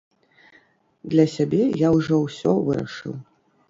Для сябе я ўжо ўсё вырашыў.